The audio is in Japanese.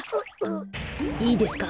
いいですか？